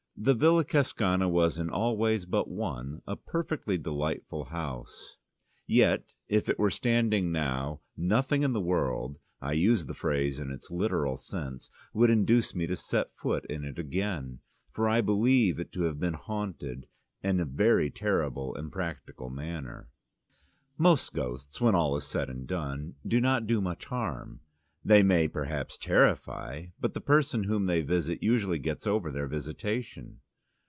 The Villa Cascana was in all ways but one a perfectly delightful house, yet, if it were standing now, nothing in the world I use the phrase in its literal sense would induce me to set foot in it again, for I believe it to have been haunted in a very terrible and practical manner. Most ghosts, when all is said and done, do not do much harm; they may perhaps terrify, but the person whom they visit usually gets over their visitation.